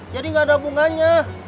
jadi gak ada bunganya